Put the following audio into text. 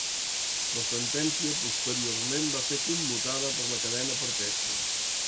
La sentència posteriorment va ser commutada per la cadena perpètua.